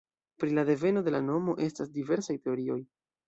Pri la deveno de la nomo estas diversaj teorioj.